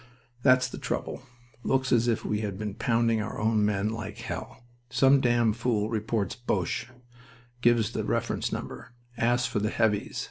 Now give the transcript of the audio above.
"That's the trouble. Looks as if we had been pounding our own men like hell. Some damn fool reports 'Boches.' Gives the reference number. Asks for the 'Heavies'.